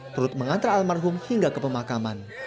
perut mengantar almarhum hingga ke pemakaman